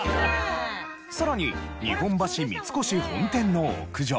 さらに日本橋三越本店の屋上。